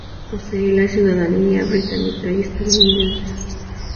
Posee la ciudadanía británica y estadounidense.